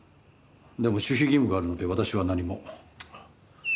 でも守秘義務があるので私は何も。